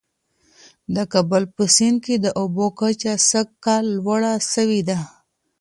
د کابل په سیند کي د اوبو کچه سږ کال لوړه سوې ده.